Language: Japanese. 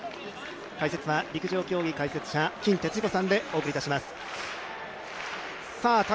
解説は陸上競技解説者、金哲彦さんでお送りします。